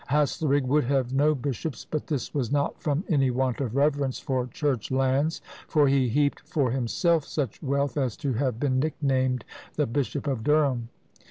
Haslerigg would have no bishops, but this was not from any want of reverence for church lands, for he heaped for himself such wealth as to have been nicknamed "the Bishop of Durham!"